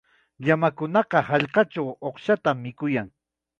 Llamakunaqa hallqachaw uqshatam mikuyan.